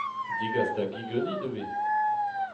Degas da gi ganit ivez.